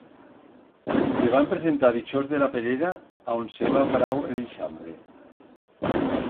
Se van presentar dichós de la perera a on s'heba parau el ixame.